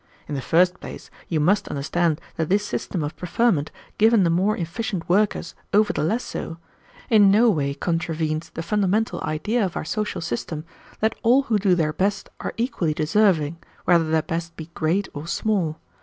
In the first place, you must understand that this system of preferment given the more efficient workers over the less so, in no way contravenes the fundamental idea of our social system, that all who do their best are equally deserving, whether that best be great or small.